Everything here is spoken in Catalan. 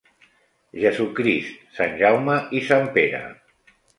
Jesucrist, sant Jaume i sant Pere.